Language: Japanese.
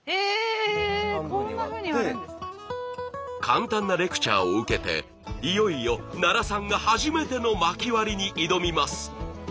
簡単なレクチャーを受けていよいよ奈良さんが初めてのまき割りに挑みます。